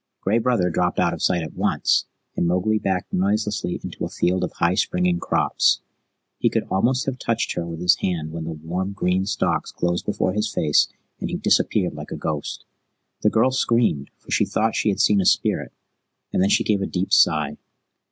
Gray Brother dropped out of sight at once, and Mowgli backed noiselessly into a field of high springing crops. He could almost have touched her with his hand when the warm, green stalks closed before his face and he disappeared like a ghost. The girl screamed, for she thought she had seen a spirit, and then she gave a deep sigh.